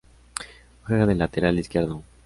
Juega de Lateral Izquierdo.